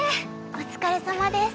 お疲れさまです。